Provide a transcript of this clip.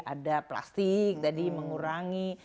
ada plastik jadi mengurangi